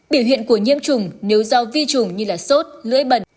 biểu hiện của nhiễm trùng nếu do vi trùng như sốt lưỡi bẩn